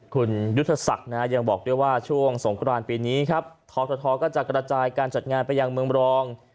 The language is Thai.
คุณยุทธศักดิ์ยังบอกด้วยว่าช่วงสงครานปีนี้ครับททก็จะกระจายการจัดงานไปยังเมืองรอง